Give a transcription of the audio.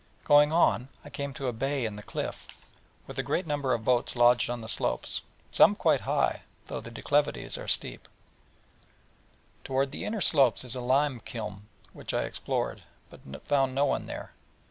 Going on, I came to a bay in the cliff, with a great number of boats lodged on the slopes, some quite high, though the declivities are steep; toward the inner slopes is a lime kiln which I explored, but found no one there.